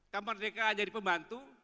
kampan dki jadi pembantu